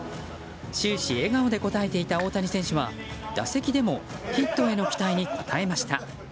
終始、笑顔で答えていた大谷選手は打席でもヒットへの期待に応えました。